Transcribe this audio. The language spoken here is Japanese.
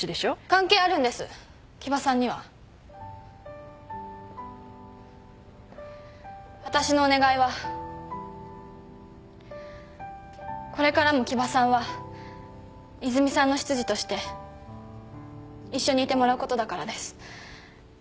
関係あるんです木場さんには。えっ？わたしのお願いはこれからも木場さんは泉さんの執事として一緒にいてもらうことだからです。